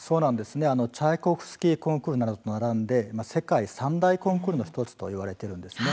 チャイコフスキーコンクールなどと並んで世界三大コンクールの１つと言われているんです。